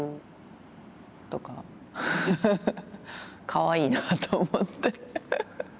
かわいいなあと思って。